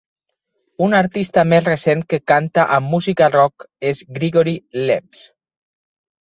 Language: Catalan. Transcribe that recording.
Un artista més recent que canta amb música rock és Grigory Leps.